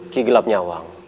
ki gelap nyawang